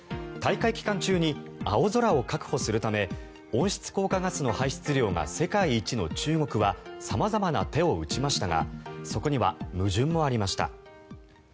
大会期間中に青空を確保するため温室効果ガスの排出量が世界一の中国は様々な手を打ちましたがそこには矛盾もありました。